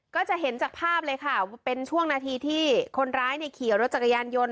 ก็จะเห็นจากภาพเลยค่ะเป็นช่วงนาทีที่คนร้ายขี่รถจักรยานยนต์